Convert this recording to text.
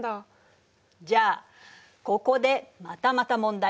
じゃあここでまたまた問題。